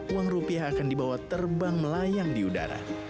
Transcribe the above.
uang rupiah akan dibawa terbang melayang di udara